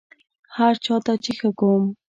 هر چا ته چې ښه کوم،